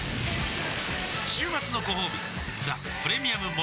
週末のごほうび「ザ・プレミアム・モルツ」